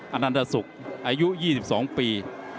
อันนาสุกอายุ๒๒ปี